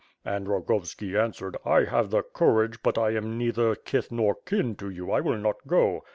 And Rogovski answ^ered 'I have the courage, but I am neither kith nor kin to you — I will not go.'